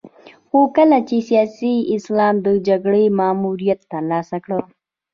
خو کله چې سیاسي اسلام د جګړې ماموریت ترلاسه کړ.